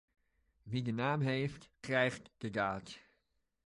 Wie de naam heeft, krijgt de daad.